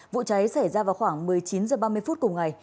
vụ cháy xảy ra vào khoảng một mươi chín h ba mươi phút cùng ngày